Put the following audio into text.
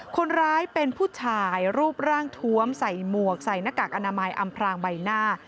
คนร้ายเป็นผู้ชายรูปร่างทวมใส่หมวกใส่หน้ากากอนามัยอำพรางใบหน้า